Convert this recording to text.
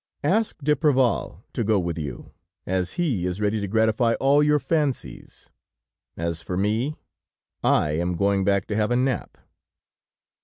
Ask d'Apreval to go with you, as he is ready to gratify all your fancies. As for me, I am going back to have a nap."